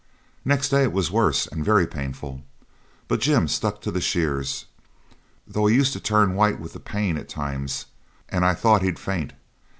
Next day it was worse and very painful, but Jim stuck to the shears, though he used to turn white with the pain at times, and I thought he'd faint.